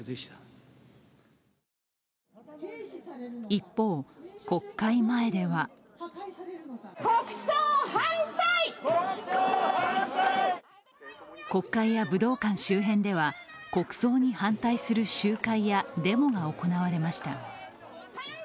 一方、国会前では国会や武道館周辺では、国葬に反対する集会やデモが行われました。